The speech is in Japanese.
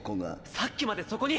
さっきまでそこに！